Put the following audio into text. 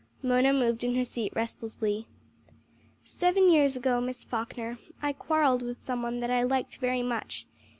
Mona moved in her seat restlessly. "Seven years ago, Miss Falkner, I quarrelled with some one that I liked very much.